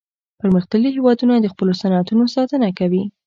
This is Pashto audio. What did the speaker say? پرمختللي هیوادونه د خپلو صنعتونو ساتنه کوي